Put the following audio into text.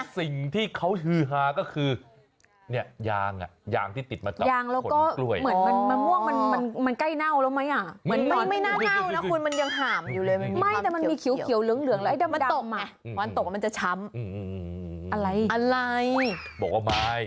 สิ่งที่เค้าฮือฮาก็คือยางวางที่ติดต่างกับขนปล้วย